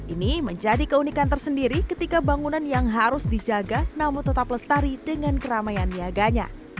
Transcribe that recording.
ini menjadi keunikan tersendiri ketika bangunan yang harus dijaga namun tetap lestari dengan keramaian niaganya